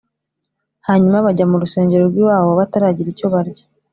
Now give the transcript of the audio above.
hanyuma bajya mu rusengero rw’iwabo bataragira icyo barya